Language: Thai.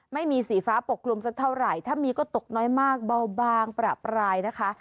ไม่มีสีฟ้าปกกลุ่มสักเท่าไหร่ถ้ามีก็ตกน้อยมากเบาบางประปรายนะคะ